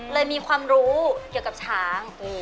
มีความรู้เกี่ยวกับช้าง